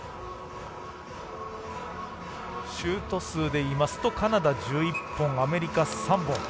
シュート数でいいますとカナダ１１本、アメリカ３本。